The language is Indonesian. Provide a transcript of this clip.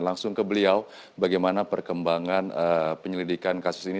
langsung ke beliau bagaimana perkembangan penyelidikan kasus ini